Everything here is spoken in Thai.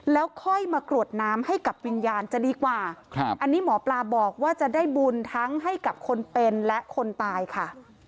แล้วค่อยมากรวดน้ำให้กับวิญญาณจะดีกว่าอันนี้หมอปลาบอกว่าจะได้บุญทั้งให้กับคนเป็นและคนตายค่ะ